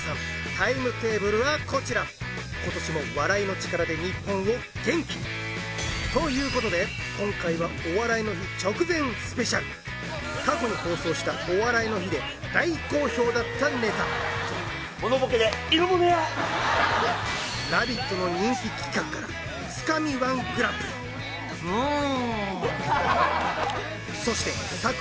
タイムテーブルはこちら今年も笑いの力で日本を元気にということで今回は「お笑いの日」直前スペシャル過去に放送した「お笑いの日」で大好評だったネタモノボケで「イロモネア」「ラヴィット！」の人気企画からつかみ−１グランプリブーン